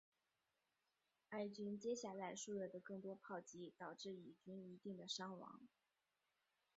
埃军接下来数月的更多炮击导致以军一定的伤亡。